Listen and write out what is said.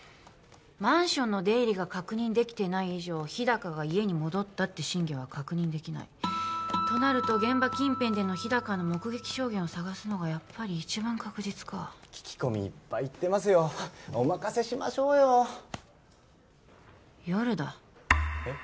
マンションの出入りが確認できてない以上日高が家に戻ったって真偽は確認できないとなると現場近辺での日高の目撃証言を探すのがやっぱり一番確実か聞き込みいっぱい行ってますよお任せしましょうよ夜だえっ？